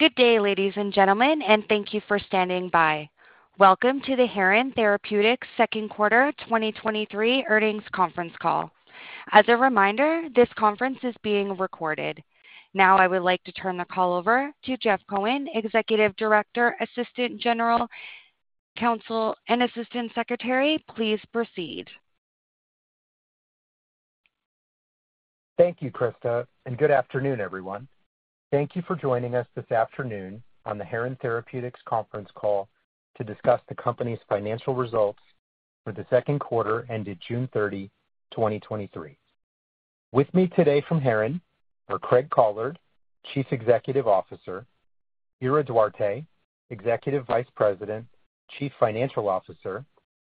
Good day, ladies and gentlemen, thank you for standing by. Welcome to the Heron Therapeutics Second Quarter 2023 Earnings Conference Call. As a reminder, this conference is being recorded. I would like to turn the call over to Jeff Cohen, Executive Director, Assistant General Counsel, and Assistant Secretary. Please proceed. Thank you, Krista. Good afternoon, everyone. Thank you for joining us this afternoon on the Heron Therapeutics conference call to discuss the company's financial results for the second quarter ended June 30, 2023. With me today from Heron are Craig Collard, Chief Executive Officer, Ira Duarte, Executive Vice President, Chief Financial Officer,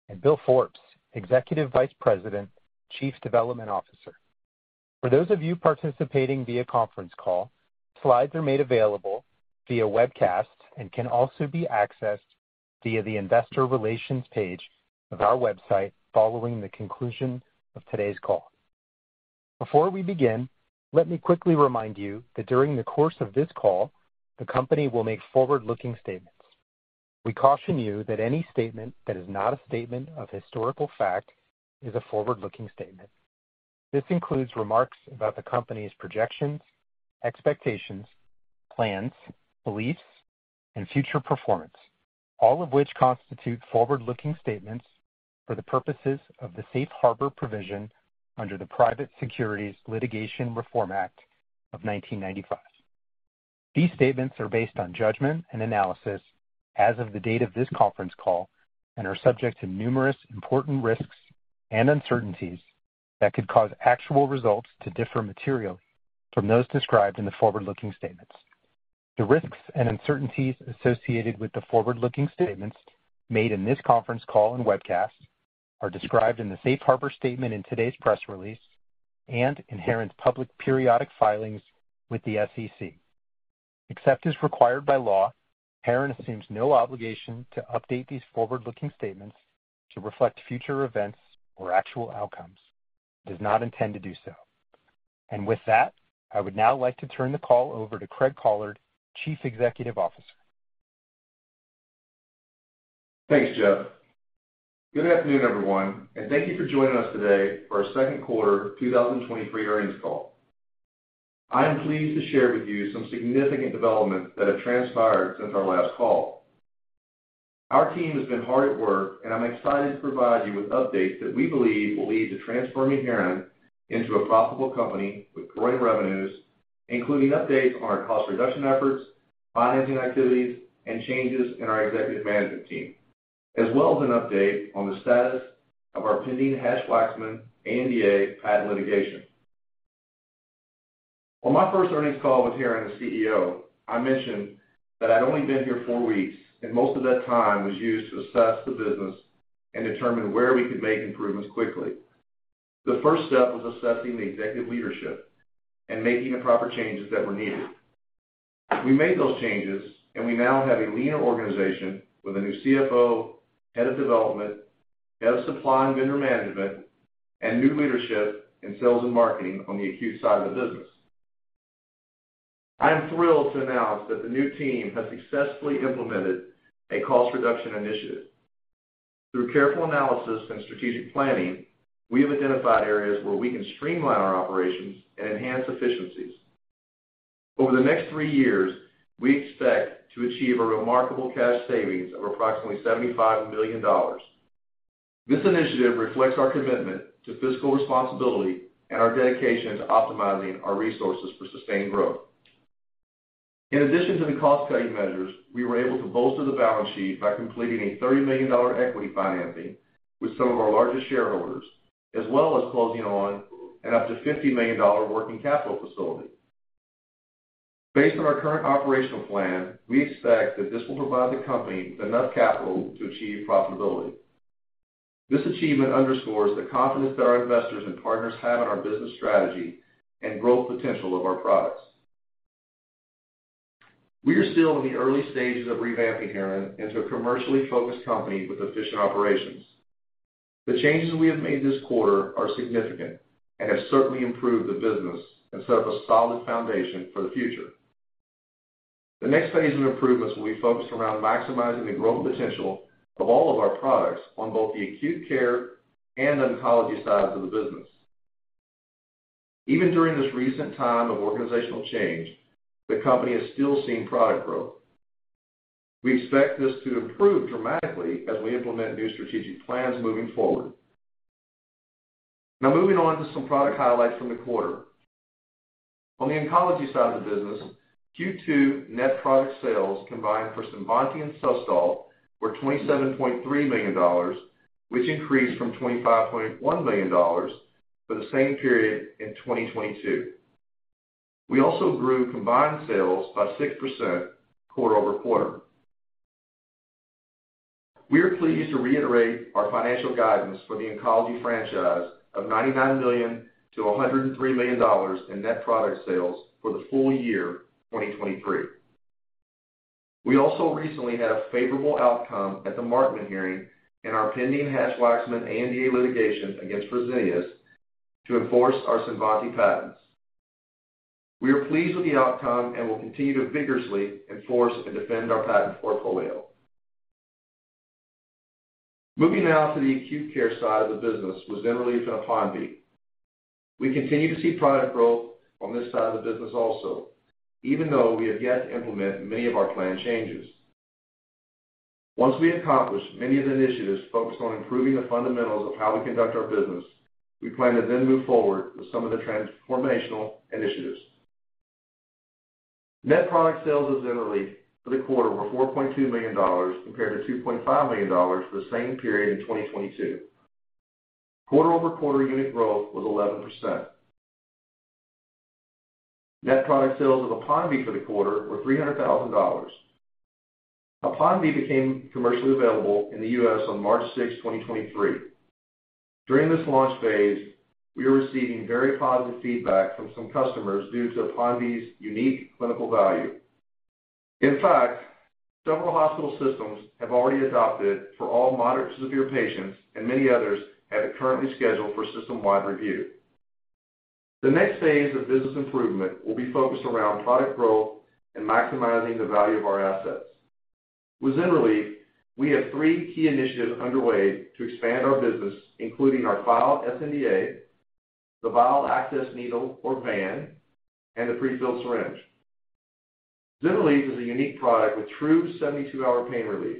and Bill Forbes, Executive Vice President, Chief Development Officer. For those of you participating via conference call, slides are made available via webcast and can also be accessed via the Investor Relations page of our website following the conclusion of today's call. Before we begin, let me quickly remind you that during the course of this call, the company will make forward-looking statements. We caution you that any statement that is not a statement of historical fact is a forward-looking statement. This includes remarks about the company's projections, expectations, plans, beliefs, and future performance, all of which constitute forward-looking statements for the purposes of the Safe Harbor provision under the Private Securities Litigation Reform Act of 1995. These statements are based on judgment and analysis as of the date of this conference call and are subject to numerous important risks and uncertainties that could cause actual results to differ materially from those described in the forward-looking statements. The risks and uncertainties associated with the forward-looking statements made in this conference call and webcast are described in the Safe Harbor statement in today's press release and in Heron's public periodic filings with the SEC. Except as required by law, Heron assumes no obligation to update these forward-looking statements to reflect future events or actual outcomes. It does not intend to do so. With that, I would now like to turn the call over to Craig Collard, Chief Executive Officer. Thanks, Jeff. Good afternoon, everyone, and thank you for joining us today for our second quarter 2023 earnings call. I am pleased to share with you some significant developments that have transpired since our last call. Our team has been hard at work, and I'm excited to provide you with updates that we believe will lead to transforming Heron into a profitable company with growing revenues, including updates on our cost reduction efforts, financing activities, and changes in our executive management team, as well as an update on the status of our pending Hatch-Waxman ANDA patent litigation. On my first earnings call with Heron as CEO, I mentioned that I'd only been here four weeks, and most of that time was used to assess the business and determine where we could make improvements quickly. The first step was assessing the executive leadership and making the proper changes that were needed. We made those changes, and we now have a leaner organization with a new CFO, Head of Development, Head of Supply and Vendor Management, and new leadership in sales and marketing on the acute side of the business. I am thrilled to announce that the new team has successfully implemented a cost reduction initiative. Through careful analysis and strategic planning, we have identified areas where we can streamline our operations and enhance efficiencies. Over the next 3 years, we expect to achieve a remarkable cash savings of approximately $75 million. This initiative reflects our commitment to fiscal responsibility and our dedication to optimizing our resources for sustained growth. In addition to the cost-cutting measures, we were able to bolster the balance sheet by completing a $30 million equity financing with some of our largest shareholders, as well as closing on an up to $50 million working capital facility. Based on our current operational plan, we expect that this will provide the company with enough capital to achieve profitability. This achievement underscores the confidence that our investors and partners have in our business strategy and growth potential of our products. We are still in the early stages of revamping Heron into a commercially focused company with efficient operations. The changes we have made this quarter are significant and have certainly improved the business and set up a solid foundation for the future. The next phase of improvements will be focused around maximizing the growth potential of all of our products on both the acute care and the oncology sides of the business. Even during this recent time of organizational change, the company has still seen product growth. We expect this to improve dramatically as we implement new strategic plans moving forward. Moving on to some product highlights from the quarter. On the oncology side of the business, Q2 net product sales combined for CINVANTI and SUSTOL were $27.3 million, which increased from $25.1 million for the same period in 2022. We also grew combined sales by 6% quarter-over-quarter. We are pleased to reiterate our financial guidance for the oncology franchise of $99 million-$103 million in net product sales for the full year 2023. We also recently had a favorable outcome at the Markman hearing in our pending Hatch-Waxman ANDA litigation against Fresenius.... to enforce our CINVANTI patents. We are pleased with the outcome, and will continue to vigorously enforce and defend our patent portfolio. Moving now to the acute care side of the business with ZYNRELEF and APONVIE. We continue to see product growth on this side of the business also, even though we have yet to implement many of our planned changes. Once we accomplish many of the initiatives focused on improving the fundamentals of how we conduct our business, we plan to then move forward with some of the transformational initiatives. Net product sales of ZYNRELEF for the quarter were $4.2 million, compared to $2.5 million for the same period in 2022. Quarter-over-quarter unit growth was 11%. Net product sales of APONVIE for the quarter were $300,000. APONVIE became commercially available in the US on March 6, 2023. During this launch phase, we are receiving very positive feedback from some customers due to APONVIE's unique clinical value. In fact, several hospital systems have already adopted for all moderate to severe patients, and many others have it currently scheduled for system-wide review. The next phase of business improvement will be focused around product growth and maximizing the value of our assets. With ZYNRELEF, we have three key initiatives underway to expand our business, including our filed sNDA, the vial access needle, or VAN, and the prefilled syringe. ZYNRELEF is a unique product with true 72-hour pain relief.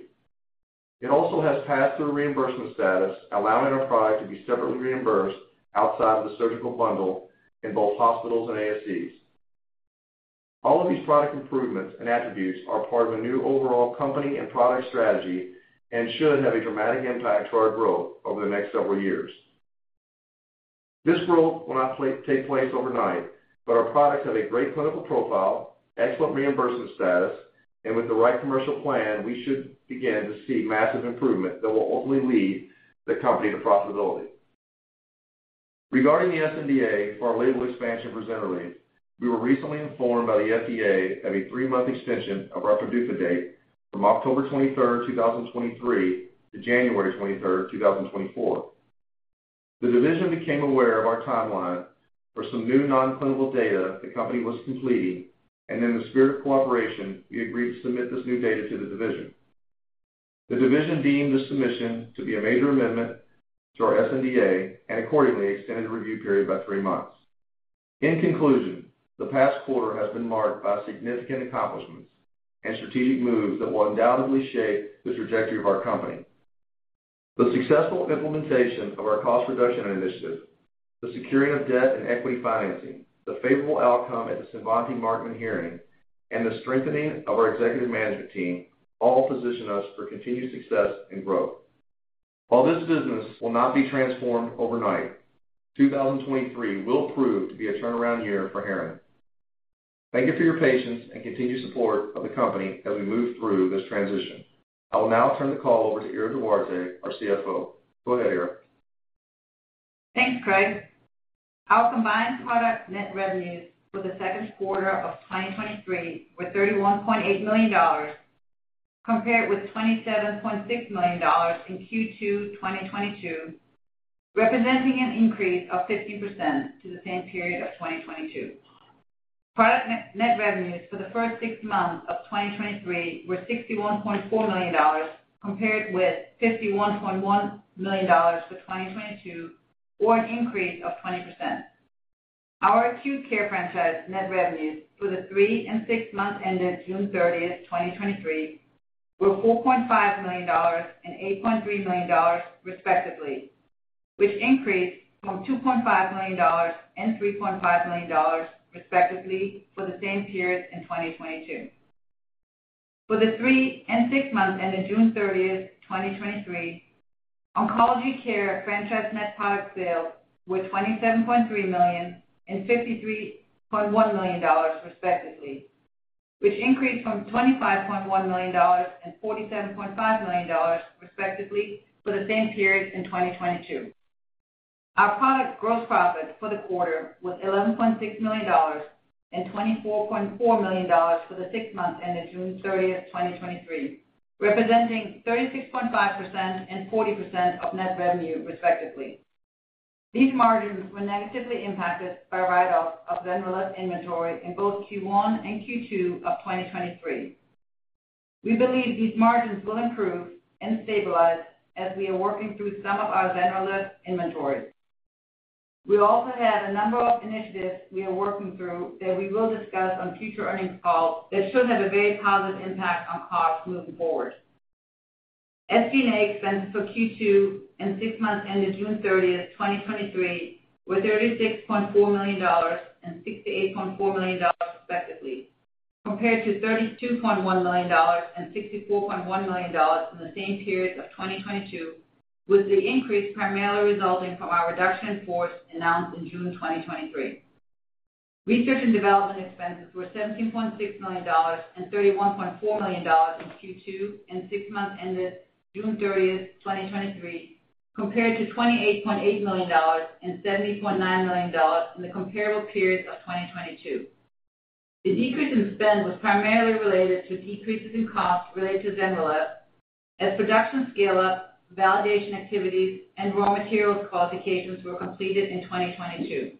It also has pass-through reimbursement status, allowing our product to be separately reimbursed outside of the surgical bundle in both hospitals and ASCs. All of these product improvements and attributes are part of a new overall company and product strategy, and should have a dramatic impact to our growth over the next several years. This growth will not take place overnight, but our products have a great clinical profile, excellent reimbursement status, and with the right commercial plan, we should begin to see massive improvement that will ultimately lead the company to profitability. Regarding the sNDA for our label expansion for ZYNRELEF, we were recently informed by the FDA of a 3-month extension of our PDUFA date from October 23, 2023, to January 23, 2024. The division became aware of our timeline for some new non-clinical data the company was completing, and in the spirit of cooperation, we agreed to submit this new data to the division. The division deemed the submission to be a major amendment to our sNDA. Accordingly, extended the review period by three months. In conclusion, the past quarter has been marked by significant accomplishments and strategic moves that will undoubtedly shape the trajectory of our company. The successful implementation of our cost reduction initiative, the securing of debt and equity financing, the favorable outcome at the CINVANTI Markman hearing, and the strengthening of our executive management team all position us for continued success and growth. This business will not be transformed overnight, 2023 will prove to be a turnaround year for Heron. Thank you for your patience and continued support of the company as we move through this transition. I will now turn the call over to Ira Duarte, our CFO. Go ahead, Ira. Thanks, Craig. Our combined product net revenues for the second quarter of 2023 were $31.8 million, compared with $27.6 million in Q2 2022, representing an increase of 50% to the same period of 2022. Product net, net revenues for the first 6 months of 2023 were $61.4 million, compared with $51.1 million for 2022, or an increase of 20%. Our acute care franchise net revenues for the 3 and 6 months ended June 30, 2023, were $4.5 million and $8.3 million, respectively, which increased from $2.5 million and $3.5 million, respectively, for the same period in 2022. For the 3 and 6 months ended June 30, 2023, oncology care franchise net product sales were $27.3 million and $53.1 million, respectively, which increased from $25.1 million and $47.5 million, respectively, for the same period in 2022. Our product gross profit for the quarter was $11.6 million and $24.4 million for the 6 months ended June 30, 2023, representing 36.5% and 40% of net revenue, respectively. These margins were negatively impacted by write-offs of CINVANTI inventory in both Q1 and Q2 of 2023. We believe these margins will improve and stabilize as we are working through some of our CINVANTI inventory. We also have a number of initiatives we are working through that we will discuss on future earnings calls, that should have a very positive impact on costs moving forward. SG&A expenses for Q2 and 6 months ended June 30, 2023, were $36.4 million and $68.4 million, respectively, compared to $32.1 million and $64.1 million in the same period of 2022, with the increase primarily resulting from our reduction in force announced in June 2023. Research and development expenses were $17.6 million and $31.4 million in Q2 and six months ended June 30th, 2023, compared to $28.8 million and $70.9 million in the comparable periods of 2022. The decrease in spend was primarily related to decreases in costs related to ZYNRELEF, as production scale-up, validation activities, and raw materials qualifications were completed in 2022.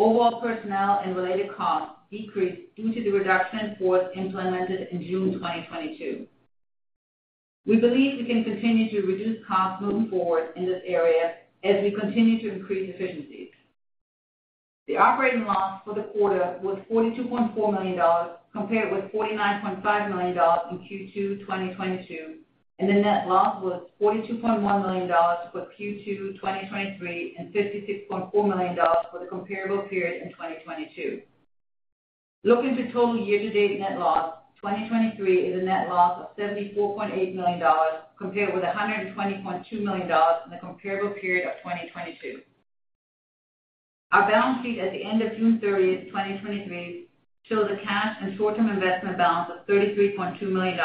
Overall personnel and related costs decreased due to the reduction in force implemented in June 2022. We believe we can continue to reduce costs moving forward in this area as we continue to increase efficiencies. The operating loss for the quarter was $42.4 million, compared with $49.5 million in Q2 2022. The net loss was $42.1 million for Q2 2023, and $56.4 million for the comparable period in 2022. Looking to total year-to-date net loss, 2023 is a net loss of $74.8 million, compared with $120.2 million in the comparable period of 2022. Our balance sheet at the end of June 30, 2023, shows a cash and short-term investment balance of $33.2 million.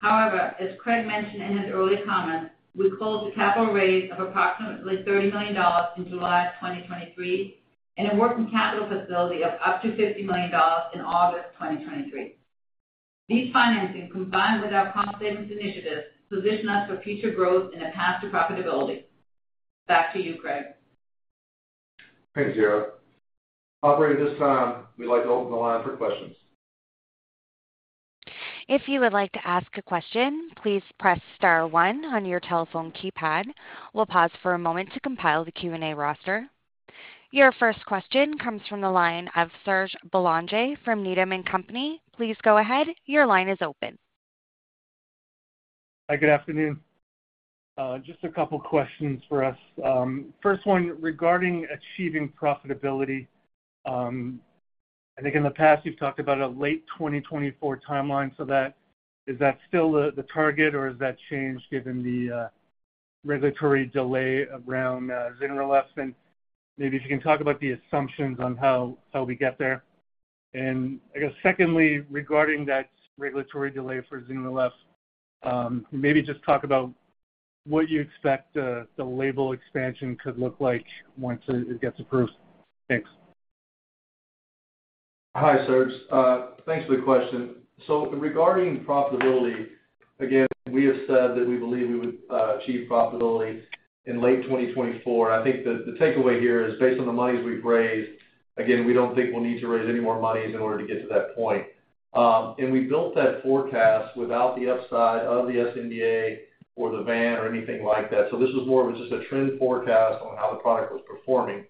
However, as Craig mentioned in his earlier comments, we closed a capital raise of approximately $30 million in July of 2023, and a working capital facility of up to $50 million in August 2023. These financings, combined with our cost savings initiatives, position us for future growth and a path to profitability. Back to you, Craig. Thanks, Ira. Operator, at this time, we'd like to open the line for questions. If you would like to ask a question, please press star one on your telephone keypad. We'll pause for a moment to compile the Q&A roster. Your first question comes from the line of Serge Belanger from Needham and Company. Please go ahead. Your line is open. Hi, good afternoon. Just two questions for us. First one, regarding achieving profitability, I think in the past, you've talked about a late 2024 timeline for that. Is that still the target or has that changed given the regulatory delay around ZYNRELEF? Maybe if you can talk about the assumptions on how we get there. Secondly, regarding that regulatory delay for ZYNRELEF, maybe just talk about what you expect the label expansion could look like once it gets approved. Thanks. Hi, Serge. Thanks for the question. Regarding profitability, again, we have said that we believe we would achieve profitability in late 2024. I think the, the takeaway here is based on the monies we've raised, again, we don't think we'll need to raise any more monies in order to get to that point. We built that forecast without the upside of the sNDA or the VAN or anything like that. This was more of just a trend forecast on how the product was performing.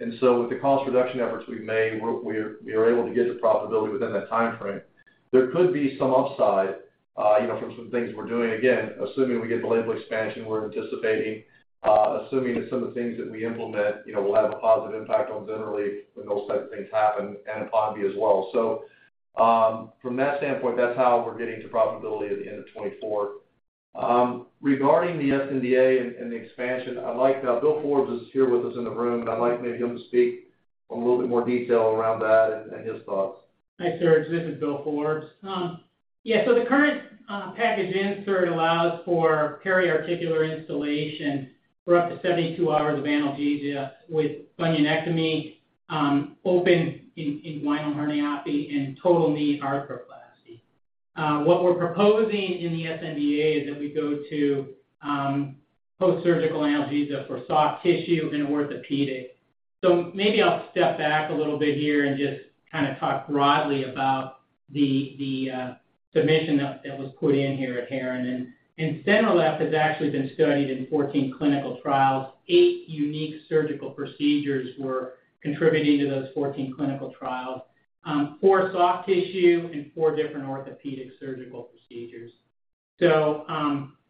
With the cost reduction efforts we've made, we are able to get to profitability within that time frame. There could be some upside, you know, from some things we're doing. Again, assuming we get the label expansion we're anticipating, assuming that some of the things that we implement, you know, will have a positive impact on ZYNRELEF when those type of things happen, and APONVIE as well. From that standpoint, that's how we're getting to profitability at the end of 2024. Regarding the sNDA and the expansion, I'd like... Bill Forbes is here with us in the room, and I'd like maybe him to speak a little bit more detail around that and his thoughts. Hi, Serge, this is Bill Forbes. Yeah, the current package insert allows for periarticular instillation for up to 72 hours of analgesia with bunionectomy, open inguinal herniorrhaphy, and total knee arthroplasty. What we're proposing in the sNDA is that we go to postsurgical analgesia for soft tissue in orthopedic. Maybe I'll step back a little bit here and just kinda talk broadly about the, the submission that, that was put in here at Heron. ZYNRELEF has actually been studied in 14 clinical trials. 8 unique surgical procedures were contributing to those 14 clinical trials, 4 soft tissue and 4 different orthopedic surgical procedures.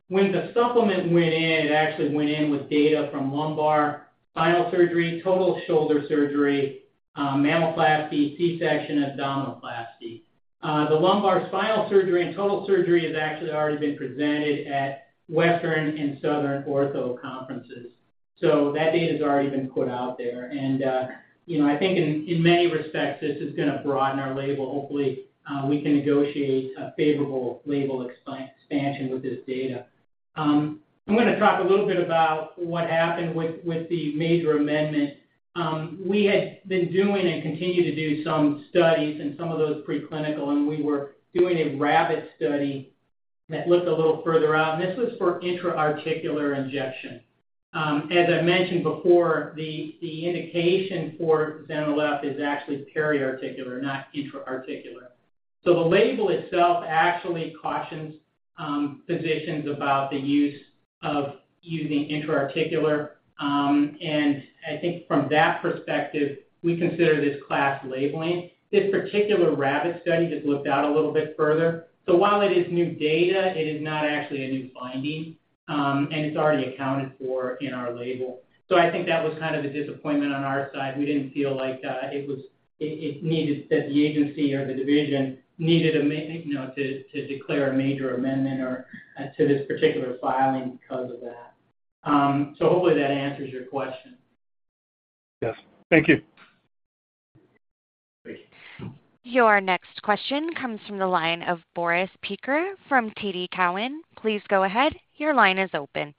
When the supplement went in, it actually went in with data from lumbar spinal surgery, total shoulder surgery, mammoplasty, C-section, abdominoplasty. The lumbar spinal surgery and total surgery has actually already been presented at Western and Southern Ortho conferences. That data has already been put out there. You know, I think in, in many respects, this is gonna broaden our label. Hopefully, we can negotiate a favorable label expan- expansion with this data. I'm gonna talk a little bit about what happened with, with the major amendment. We had been doing and continue to do some studies, and some of those preclinical, and we were doing a rabbit study that looked a little further out, and this was for intra-articular injection. As I mentioned before, the, the indication for ZYNRELEF is actually periarticular, not intra-articular. The label itself actually cautions physicians about the use of using intra-articular. I think from that perspective, we consider this class labeling. This particular rabbit study just looked out a little bit further. While it is new data, it is not actually a new finding, and it's already accounted for in our label. I think that was kind of a disappointment on our side. We didn't feel like it needed that the agency or the division needed, you know, to declare a major amendment or to this particular filing because of that. Hopefully that answers your question. Yes. Thank you. Your next question comes from the line of Boris Peaker from TD Cowen. Please go ahead. Your line is open.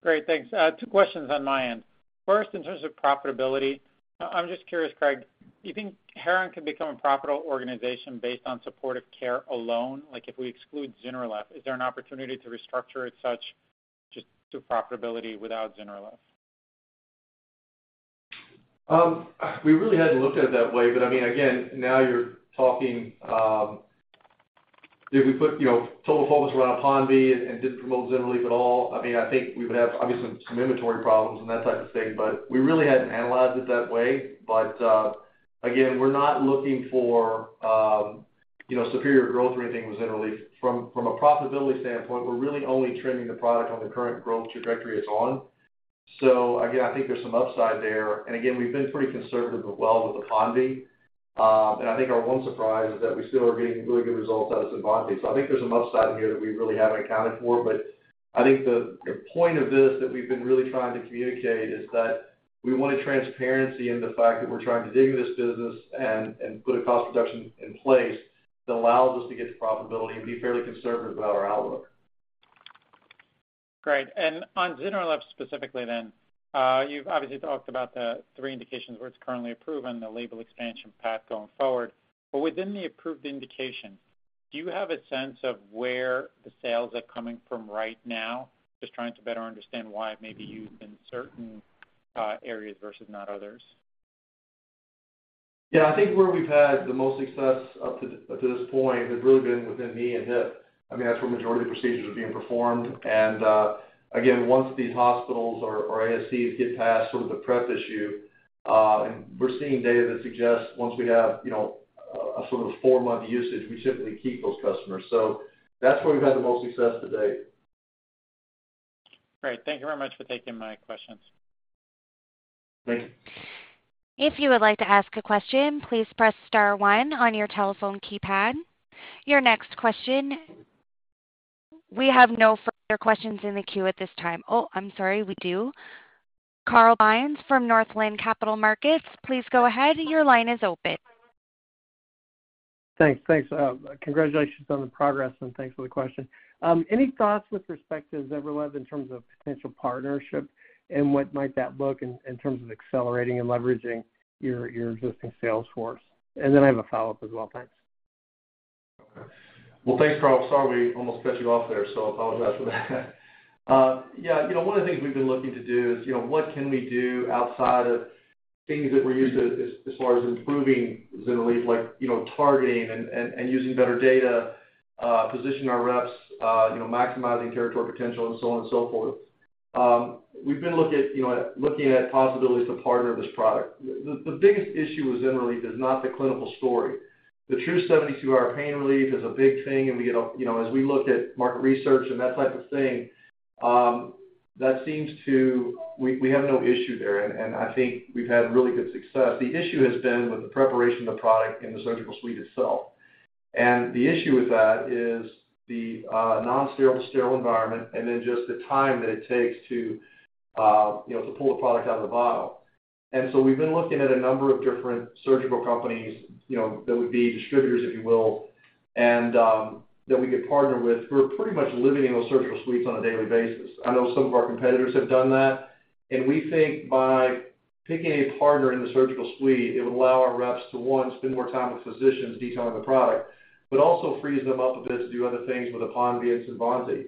Great, thanks. 2 questions on my end. First, in terms of profitability, I'm just curious, Craig, do you think Heron can become a profitable organization based on supportive care alone? Like, if we exclude ZYNRELEF, is there an opportunity to restructure it such, just to profitability without ZYNRELEF? We really hadn't looked at it that way, but I mean, again, now you're talking, if we put, you know, total focus around APONVIE and, and didn't promote ZYNRELEF at all, I mean, I think we would have, obviously, some inventory problems and that type of thing, but we really hadn't analyzed it that way. Again, we're not looking for, you know, superior growth or anything with ZYNRELEF. From, from a profitability standpoint, we're really only trending the product on the current growth trajectory it's on. Again, I think there's some upside there, and again, we've been pretty conservative as well with the APONVIE. And I think our one surprise is that we still are getting really good results out of CINVANTI. I think there's some upside here that we really haven't accounted for, but I think the point of this, that we've been really trying to communicate is that we want transparency in the fact that we're trying to dig this business and put a cost reduction in place that allows us to get to profitability and be fairly conservative about our outlook. Great. On ZYNRELEF specifically then, you've obviously talked about the 3 indications where it's currently approved and the label expansion path going forward. Within the approved indication, do you have a sense of where the sales are coming from right now? Just trying to better understand why it may be used in certain areas versus not others. Yeah, I think where we've had the most success up to, up to this point has really been within knee and hip. I mean, that's where majority of the procedures are being performed, and again, once these hospitals or ASCs get past sort of the prep issue, and we're seeing data that suggests once we have, you know, a sort of four-month usage, we simply keep those customers. That's where we've had the most success to date. Great. Thank you very much for taking my questions. Great. If you would like to ask a question, please press star one on your telephone keypad. Your next question... We have no further questions in the queue at this time. Oh, I'm sorry, we do. Carl Byrnes from Northland Capital Markets, please go ahead. Your line is open. Thanks. Thanks. Congratulations on the progress, and thanks for the question. Any thoughts with respect to ZYNRELEF in terms of potential partnership and what might that look in, in terms of accelerating and leveraging your, your existing sales force? I have a follow-up as well. Thanks. Okay. Well, thanks, Carl. Sorry, we almost cut you off there, so I apologize for that. Yeah, you know, one of the things we've been looking to do is, you know, what can we do outside of things that we're used to as, as far as improving ZYNRELEF, like, you know, targeting and, and, and using better data, position our reps, you know, maximizing territory potential and so on and so forth. We've been looking at, you know, looking at possibilities to partner this product. The biggest issue with ZYNRELEF is not the clinical story. The true seventy-two-hour pain relief is a big thing. You know, as we look at market research and that type of thing, that seems to - we have no issue there, and I think we've had really good success. The issue has been with the preparation of the product in the surgical suite itself. The issue with that is the non-sterile to sterile environment, and then just the time that it takes to, you know, to pull the product out of the bottle. We've been looking at a number of different surgical companies, you know, that would be distributors, if you will, and that we could partner with, who are pretty much living in those surgical suites on a daily basis. I know some of our competitors have done that, and we think by picking a partner in the surgical suite, it would allow our reps to, one, spend more time with physicians detailing the product, but also frees them up a bit to do other things with APONVIE and CINVANTI.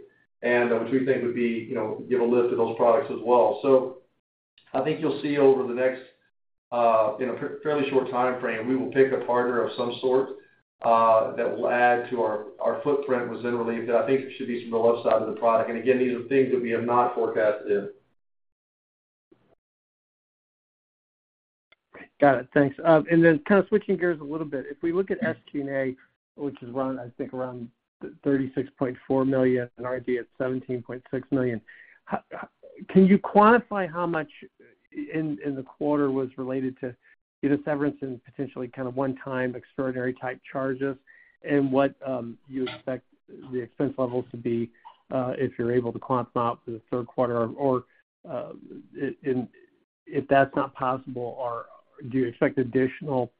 Which we think would be, you know, give a lift to those products as well. I think you'll see over the next, in a fairly short timeframe, we will pick a partner of some sort, that will add to our, our footprint with ZYNRELEF, that I think it should be some upside to the product. Again, these are things that we have not forecasted. Got it. Thanks. Then kind of switching gears a little bit. If we look at SG&A, which is around, I think around $36.4 million, and R&D at $17.6 million, how, how... Can you quantify how much i-in, in the quarter was related to, you know, severance and potentially kind of one-time, extraordinary type charges? What you expect the expense levels to be, if you're able to quant them out for the third quarter? And if that's not possible, are- do you expect additional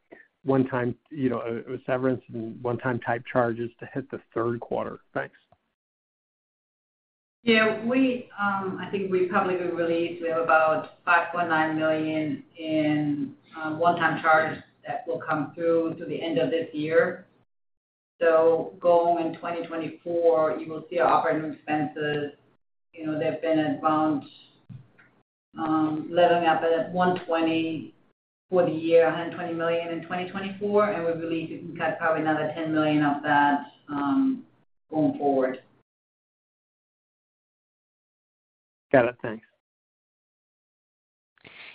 one-time, you know, severance and one-time type charges to hit the third quarter? Thanks. Yeah, we, I think we've publicly released, we have about $5.9 million in one-time charges that will come through to the end of this year. Going in 2024, you will see our operating expenses, you know, they've been advanced, leveling up at $120 million for the year, $120 million in 2024, and we believe we can cut probably another $10 million of that, going forward. Got it. Thanks.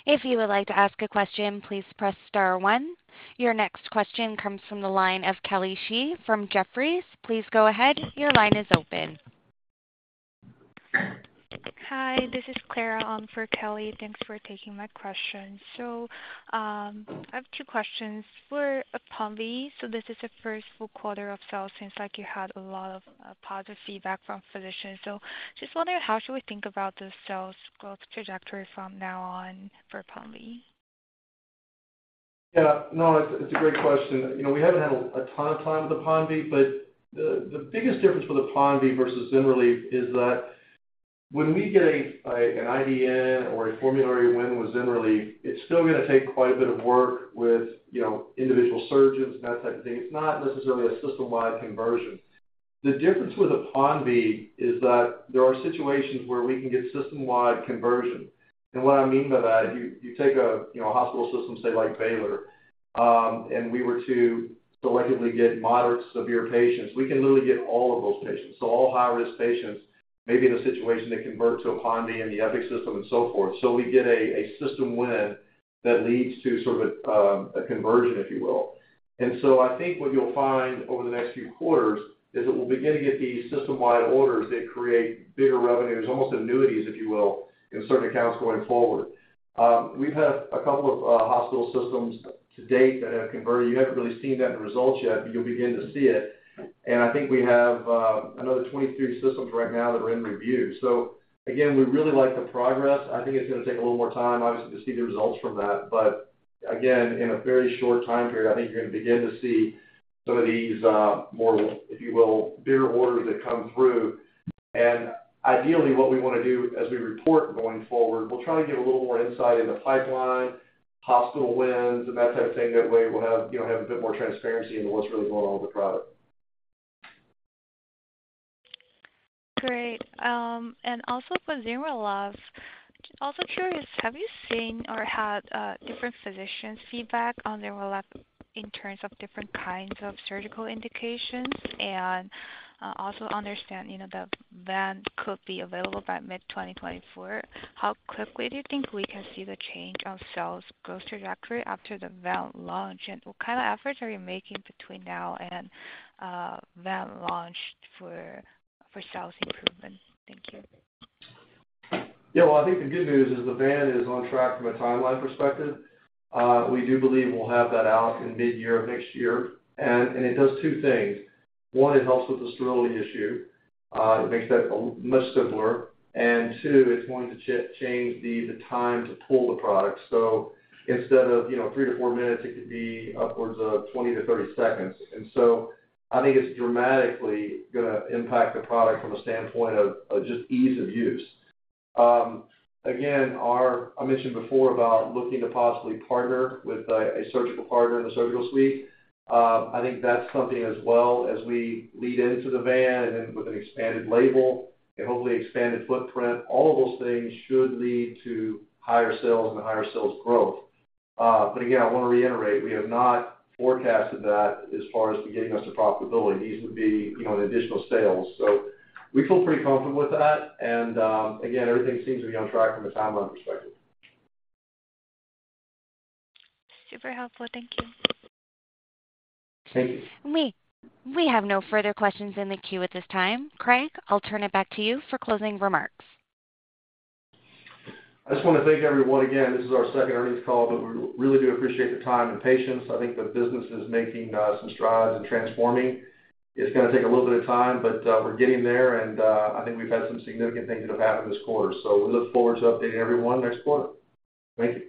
If you would like to ask a question, please press star one. Your next question comes from the line of Kelly Shi from Jefferies. Please go ahead. Your line is open. Hi, this is Clara on for Kelly. Thanks for taking my question. I have two questions. For APONVIE, this is the first full quarter of sales since, like, you had a lot of positive feedback from physicians. Just wondering, how should we think about the sales growth trajectory from now on for APONVIE? Yeah, no, it's, it's a great question. You know, we haven't had a, a ton of time with APONVIE, but the, the biggest difference with APONVIE versus ZYNRELEF is that when we get a, a, an IDN or a formulary win with ZYNRELEF, it's still gonna take quite a bit of work with, you know, individual surgeons and that type of thing. It's not necessarily a system-wide conversion. The difference with APONVIE is that there are situations where we can get system-wide conversion. What I mean by that, if you, you take a, you know, a hospital system, say, like Baylor, and we were to selectively get moderate, severe patients, we can literally get all of those patients. All high-risk patients may be in a situation to convert to a APONVIE in the Epic system and so forth. We get a, a system win that leads to sort of a conversion, if you will. I think what you'll find over the next few quarters is that we'll begin to get these system-wide orders that create bigger revenues, almost annuities, if you will, in certain accounts going forward. We've had a couple of hospital systems to date that have converted. You haven't really seen that in the results yet, but you'll begin to see it. I think we have another 23 systems right now that are in review. Again, we really like the progress. I think it's gonna take a little more time, obviously, to see the results from that. Again, in a very short time period, I think you're gonna begin to see some of these more, if you will, bigger orders that come through. Ideally, what we wanna do as we report going forward, we'll try to give a little more insight into pipeline, hospital wins, and that type of thing. That way, we'll have, you know, have a bit more transparency into what's really going on with the product. Great. Also for ZYNRELEF, also curious, have you seen or had different physicians' feedback on ZYNRELEF in terms of different kinds of surgical indications? Also understand, you know, the VAN could be available by mid-2024. How quickly do you think we can see the change on sales growth trajectory after the VAN launch, and what kind of efforts are you making between now and VAN launch for, for sales improvement? Thank you. Yeah, well, I think the good news is the VAN is on track from a timeline perspective. We do believe we'll have that out in mid-year of next year, and it does 2 things. One, it helps with the sterility issue, it makes that a much simpler. Two, it's going to change the time to pull the product. Instead of, you know, 3-4 minutes, it could be upwards of 20-30 seconds. I think it's dramatically gonna impact the product from a standpoint of just ease of use. Again, I mentioned before about looking to possibly partner with a surgical partner in the surgical suite. I think that's something as well as we lead into the VAN and then with an expanded label and hopefully expanded footprint, all of those things should lead to higher sales and higher sales growth. Again, I wanna reiterate, we have not forecasted that as far as to getting us to profitability. These would be, you know, additional sales, so we feel pretty comfortable with that. Again, everything seems to be on track from a timeline perspective. Super helpful. Thank you. Thank you. We, we have no further questions in the queue at this time. Craig, I'll turn it back to you for closing remarks. I just wanna thank everyone again. This is our second earnings call, but we really do appreciate the time and patience. I think the business is making some strides in transforming. It's gonna take a little bit of time, but we're getting there, and I think we've had some significant things that have happened this quarter. We look forward to updating everyone next quarter. Thank you.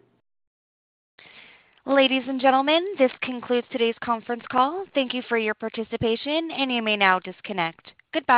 Ladies and gentlemen, this concludes today's conference call. Thank you for your participation, and you may now disconnect. Goodbye.